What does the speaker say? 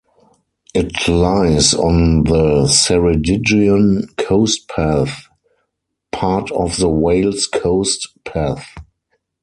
It lies on the Ceredigion Coast Path, part of the Wales Coast Path.